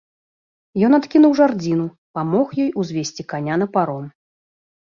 Ён адкінуў жардзіну, памог ёй узвесці каня на паром.